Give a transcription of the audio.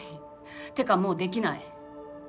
てかもうできない。